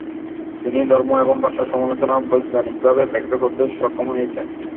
তিনি ধর্ম এবং ভাষার সমালোচনা বৈজ্ঞানিকভাবে ব্যাখ্যা করতে সক্ষম হয়েছেন।